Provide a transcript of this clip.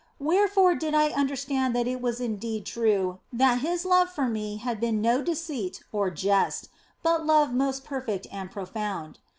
Wherefore did I understand that it was indeed true that His love for me had been no deceit or jest, but love most perfect and profound.